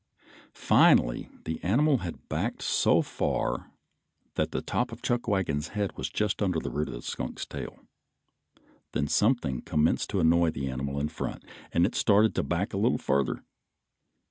Finally the animal had backed so far that the top of Chuckwagon's head was just under the root of the skunk's tail. Then something commenced to annoy the animal in front, and it started to back a little farther.